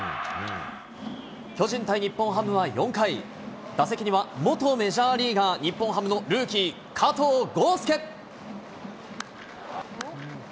巨人対日本ハムは４回、打席には元メジャーリーガー、日本ハムのルーキー、加藤豪将。